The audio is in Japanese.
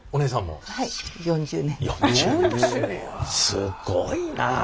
すごいな。